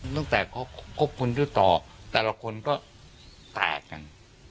ตั้งแต่เขาคบคุณด้วยต่อแต่ละคนก็แตกกัน